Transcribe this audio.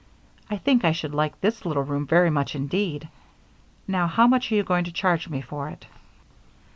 I think I should like this little room very much indeed. Now, how much are you going to charge me for it?"